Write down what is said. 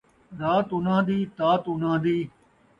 رات اُنہاں دی ، تات اُنہاں دی